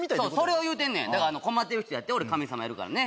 それを言うてんねんだから困ってる人やって俺神様やるからね